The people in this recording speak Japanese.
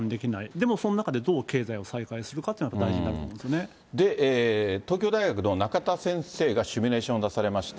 でもその中でどう経済を再開するかっていうのは、大事になると思東京大学の仲田先生がシミュレーションを出されまして。